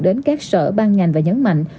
đến các sở ban ngành và nhấn mạnh